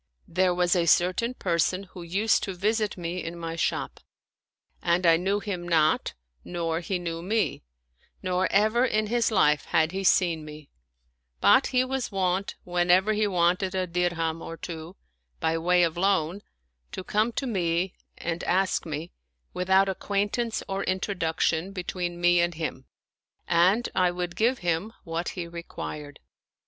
There was a certain person who used to visit me in my shop, and I knew him not nor he knew me, nor ever in his life had he seen me ; but he was wont, whenever he wanted a dirham or two, by way of loan, to come to me and ask me, without ac 162 Told by the Constable quaintance or introduction between me and him, and I would give him what he required.